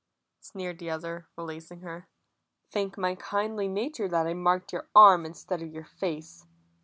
sneered the other, releasing her. "Thank my kindly nature that I marked your arm instead of your face.